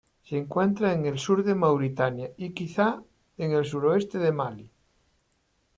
Se encuentra en el sur de Mauritania y quizá en el sudoeste de Malí.